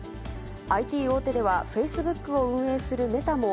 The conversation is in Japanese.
ＩＴ大手では、フェイスブックを運営するメタも、